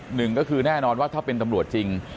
หนึ่งก็คือแน่นอนว่าถ้าเป็นตำรวจจริง